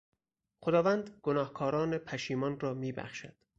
خداوند گناهکاران پشیمان را میبخشد.